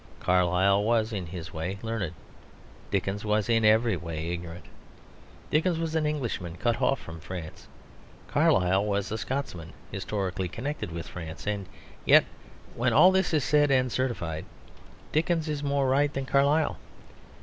Carlyle was in his way learned; Dickens was in every way ignorant. Dickens was an Englishman cut off from France; Carlyle was a Scotsman, historically connected with France. And yet, when all this is said and certified, Dickens is more right than Carlyle.